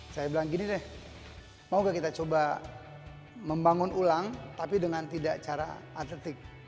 saya bilang gini deh mau gak kita coba membangun ulang tapi dengan tidak cara atletik